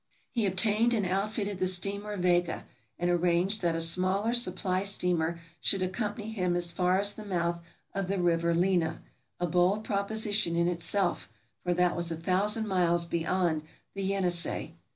He obtained and outfitted the steamer "Vega," and ar ranged that a smaller supply steamer should accompany him as far as the mouth of the river Lena — a bold proposition in itself, for that was a thousand miles beyond the Yenisei.